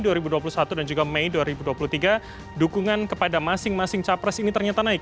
di satu dan juga mei dua ribu dua puluh tiga dukungan kepada masing masing capres ini ternyata naik